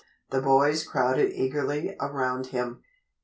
The boys crowded eagerly around him.